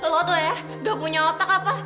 lo tuh ya udah punya otak apa